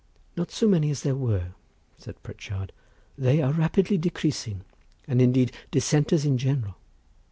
"Not so many as there were," said Pritchard, "they are rapidly decreasing, and indeed Dissenters in general.